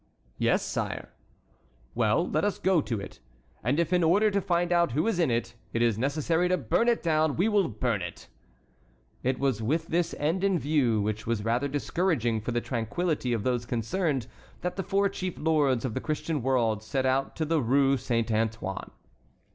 "Yes, sire." "Well, let us go to it. And if in order to find out who is in it, it is necessary to burn it down, we will burn it." It was with this end in view, which was rather discouraging for the tranquillity of those concerned, that the four chief lords of the Christian world set out to the Rue Saint Antoine.